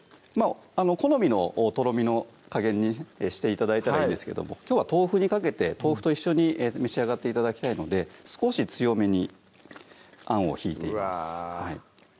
好みのとろみの加減にして頂いたらいいんですけどもきょうは豆腐にかけて豆腐と一緒に召し上がって頂きたいので少し強めにあんをひいていきます